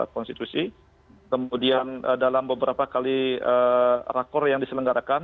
kemudian dalam beberapa kali rakor yang diselenggarakan